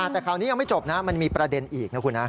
แต่ข่าวนี้ยังไม่จบมันมีประเด็นอีกนะครับคุณฮะ